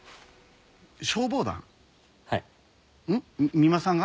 三馬さんが？